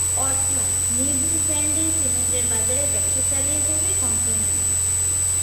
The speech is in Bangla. অর্থাৎ নিজ নিজ ব্র্যান্ডেই সিমেন্টের বাজারে ব্যবসা চালিয়ে যাবে কোম্পানি দুটি।